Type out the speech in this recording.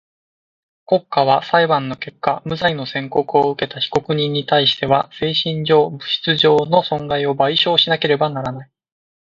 国家は裁判の結果無罪の宣告をうけた被告人にたいしては精神上、物質上の損害を賠償しなければならない。